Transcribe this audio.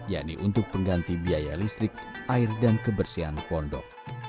yakni untuk pengganti biaya listrik air dan kebersihan pondok